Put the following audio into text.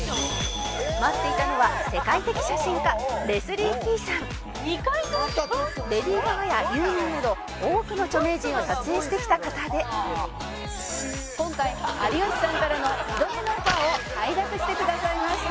「待っていたのは世界的写真家レスリー・キーさん」「レディー・ガガやユーミンなど多くの著名人を撮影してきた方で今回有吉さんからの２度目のオファーを快諾してくださいました」